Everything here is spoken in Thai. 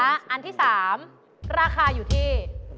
อันที่๓ราคาอยู่ที่